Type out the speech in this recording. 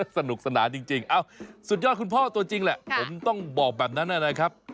สนุกสนานจริงสุดยอดคุณพ่อตัวจริงแหละผมต้องบอกแบบนั้นนะครับ